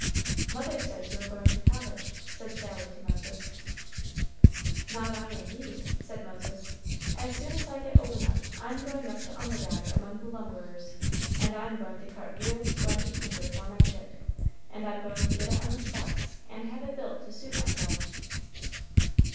"Mother says you are going to college," said Sally to Moses. "Not I, indeed," said Moses; "as soon as I get old enough, I'm going up to Umbagog among the lumberers, and I'm going to cut real, splendid timber for my ship, and I'm going to get it on the stocks, and have it built to suit myself."